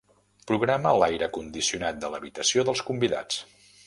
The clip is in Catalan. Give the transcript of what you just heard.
Programa l'aire condicionat de l'habitació dels convidats.